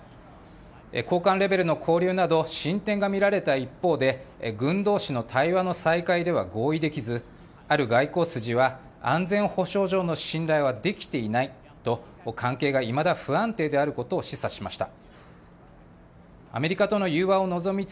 高官レベルの交流など、進展が見られた一方で、軍どうしの対話の再開では合意できず、ある外交筋は、安全保障上の信頼はできていないと、関係がいまだ不安定であることを示唆しました。